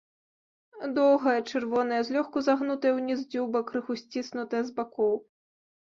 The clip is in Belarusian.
Доўгая, чырвоная, злёгку загнутая ўніз дзюба, крыху сціснутая з бакоў.